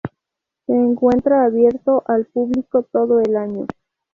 Se encuentra abierto al público todo el año.